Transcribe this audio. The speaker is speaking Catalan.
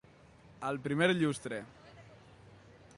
Al primer llustre.